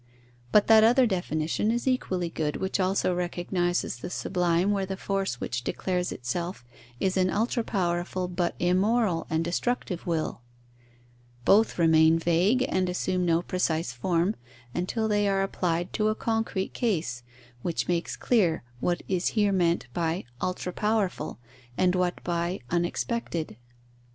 But that other definition is equally good, which also recognizes the sublime where the force which declares itself is an ultra powerful, but immoral and destructive will. Both remain vague and assume no precise form, until they are applied to a concrete case, which makes clear what is here meant by ultra powerful, and what by unexpected.